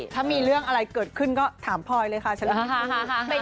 ถ้ามีเรื่องอะไรเกิดขึ้นก็ถามพลอยเลยค่ะเชิญค่ะ